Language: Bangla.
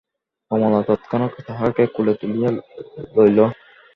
কমলা তৎক্ষণাৎ তাহাকে কোলে তুলিয়া লইল।